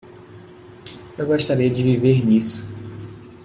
Eu gostaria de viver nisso.